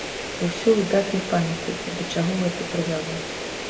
Вы ўсе выдатна памятаеце, да чаго гэта прывяло.